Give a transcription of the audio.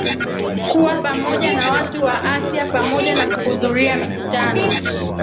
kuwa pamoja na watu wa asia pamoja na kuhudhuria mikutano